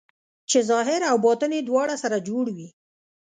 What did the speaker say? چې ظاهر او باطن یې دواړه سره جوړ وي.